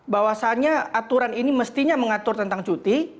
bahwasannya aturan ini mestinya mengatur tentang cuti